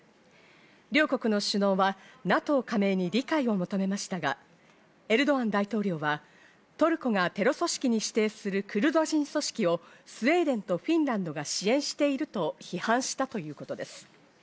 両国の首脳はＮＡＴＯ加盟に理解を求めましたが、エルドアン大統領はトルコがテロ組織に指定するクルド人組織をスウェーデンとフィンランドが支援していると批判したということです。